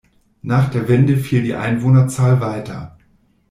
Nach der Wende fiel die Einwohnerzahl weiter.